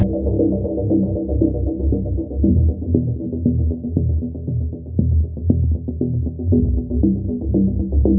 kita cek ulang lagi posisinya jam nya kan